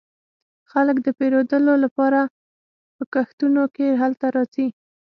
خلک د پیرودلو لپاره په کښتیو کې هلته راځي